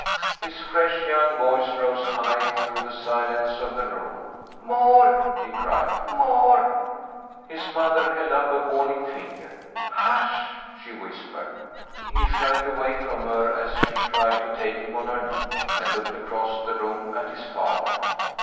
His fresh young voice rose high through the silence of the room. "More!" he cried. "More!" His mother held up a warning finger. "Hush!" she whispered. He shrank away from her as she tried to take him on her knee, and looked across the room at his father.